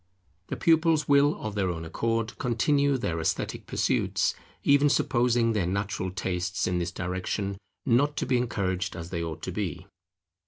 The pupils will of their own accord continue their esthetic pursuits, even supposing their natural tastes in this direction not to be encouraged as they ought to be.